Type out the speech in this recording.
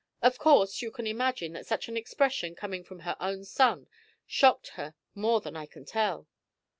Of course, you can imagine that such an expression coming from her own son, shocked her more than I can tell."